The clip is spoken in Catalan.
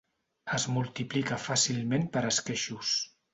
Es multiplica fàcilment per esqueixos.